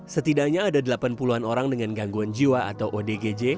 setidaknya ada delapan puluh an orang dengan gangguan jiwa atau odgj